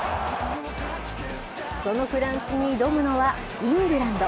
そのフランスに挑むのは、イングランド。